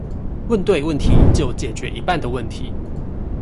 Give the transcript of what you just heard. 問對問題，就解決一半的問題